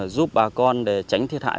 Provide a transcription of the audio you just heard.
giúp bà con để tránh thiệt hại